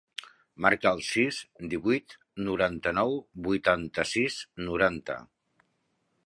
Marca el sis, divuit, noranta-nou, vuitanta-sis, noranta.